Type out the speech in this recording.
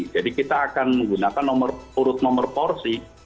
jadi kita akan menggunakan urut nomor porsi